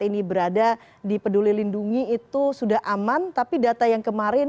ini berada di peduli lindungi itu sudah aman tapi data yang kemarin